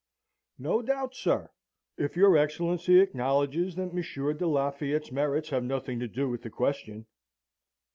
"'No doubt, sir. If your Excellency acknowledges that Monsieur de Lafayette's merits have nothing to do with the question.'